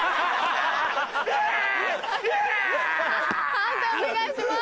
判定お願いします！